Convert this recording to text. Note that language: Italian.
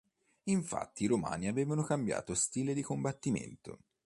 Infatti i Romani avevano cambiato stile di combattimento.